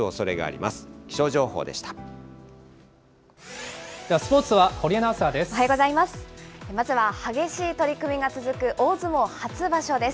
まずは激しい取り組みが続く大相撲初場所です。